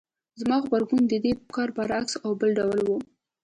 زما غبرګون د دې کار برعکس او بل ډول و.